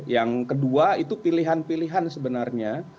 yang kedua itu pilihan pilihan sebenarnya